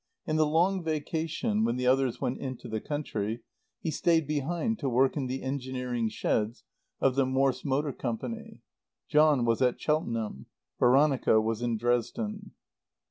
In the long vacation, when the others went into the country, he stayed behind to work in the engineering sheds of the Morss Motor Company. John was at Cheltenham. Veronica was in Dresden.